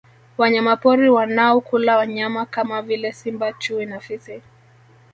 Wanyamapori wanao kula nyama kama vile simba chui na fisi